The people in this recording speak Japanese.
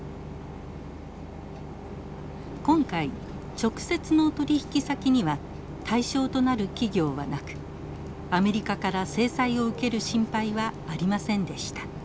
今回直接の取引先には対象となる企業はなくアメリカから制裁を受ける心配はありませんでした。